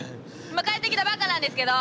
今帰ってきたばっかなんですけど！